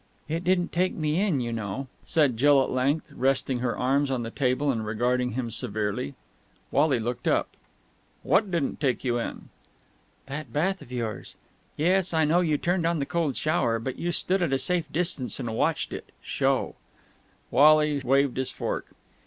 "It didn't take me in, you know," said Jill at length, resting her arms on the table and regarding him severely. Wally looked up. "What didn't take you in?" "That bath of yours. Yes, I know you turned on the cold shower, but you stood at a safe distance and watched it show!" Wally waved his fork.